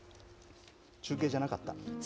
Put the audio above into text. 中継じゃなかった。